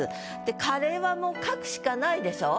「カレー」はもう書くしかないでしょ？